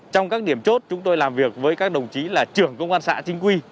trong các điểm chốt chúng tôi làm việc với các đồng chí là trưởng công an xã chính quy